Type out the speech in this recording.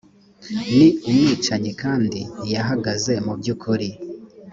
ni umwicanyi kandi ntiyahagaze mu by ukuri